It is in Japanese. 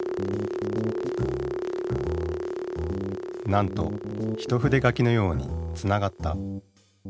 なんと一筆書きのようにつながった。